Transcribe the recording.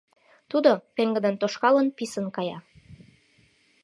Тудо, пеҥгыдын тошкалын, писын кая.